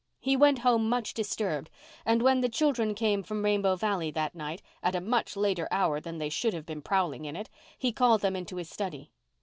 He went home much disturbed and when the children came from Rainbow Valley that night, at a much later hour than they should have been prowling in it, he called them into his study.